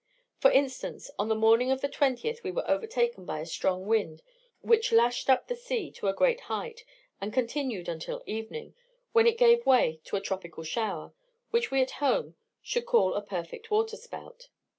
For instance, on the morning of the 20th we were overtaken by a strong wind, which lashed up the sea to a great height, and continued until evening, when it gave way to a tropical shower, which we at home should call a perfect water spout.